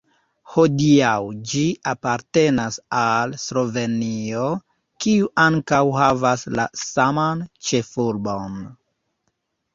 Hodiaŭ ĝi apartenas al Slovenio, kiu ankaŭ havas la saman ĉefurbon.